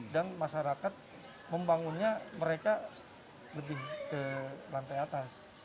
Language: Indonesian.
dan masyarakat membangunnya mereka lebih ke lantai atas